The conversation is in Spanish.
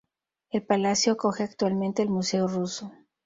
El palacio acoge actualmente el Museo Ruso.